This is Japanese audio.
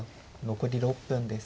残り６分です。